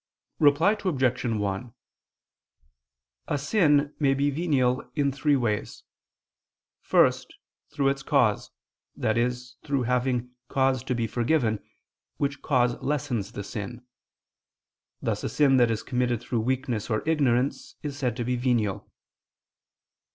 Reply Obj. 1: A sin may be venial in three ways. First, through its cause, i.e. through having cause to be forgiven, which cause lessens the sin; thus a sin that is committed through weakness or ignorance is said to be venial.